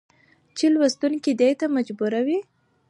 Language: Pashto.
چې لوستونکى دې ته مجبور وي